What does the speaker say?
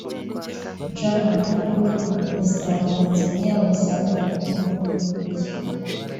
John Magufuli na Perezida wa Tanzania wazamuye ubukungu bw’igihugu cye